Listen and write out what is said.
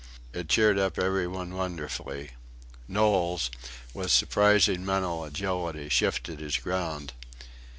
It cheered up every one wonderfully. Knowles, with surprising mental agility, shifted his ground.